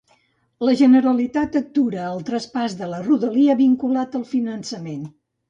La Generalitat atura el traspàs de la Rodalia vinculat al finançament.